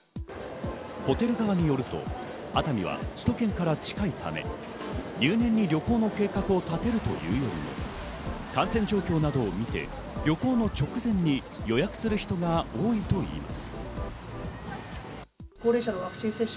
ホテル側によると、熱海は首都圏から近いため、入念に旅行の計画を立てるというよりも感染状況などを見て旅行の直前に予約する人が多いといいます。